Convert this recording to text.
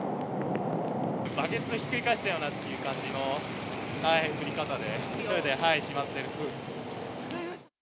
バケツひっくり返したようなという感じの降り方で、急いでしまっています。